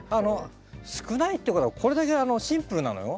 少ないってことはこれだけシンプルなのよ。